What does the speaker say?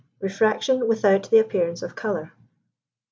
REFRACTION WITHOUT THE APPEARANCE OF COLOUR.